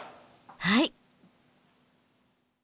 はい！